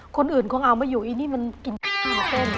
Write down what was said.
คนอื่นคงเอามาอยู่ไอ้นี่มันกินเหมือนเต้น